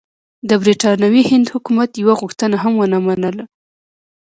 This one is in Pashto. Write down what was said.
د برټانوي هند حکومت یوه غوښتنه هم ونه منله.